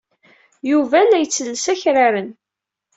Yuba la ittelles akraren.